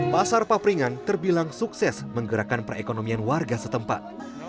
pasar papringan terbilang sukses menggerakkan perekonomian warga setempat